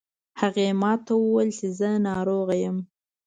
هغې ما ته وویل چې زه ناروغه یم